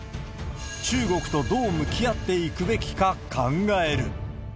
中国とどう向き合っていくべきか考える。